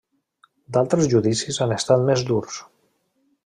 D'altres judicis han estat més durs.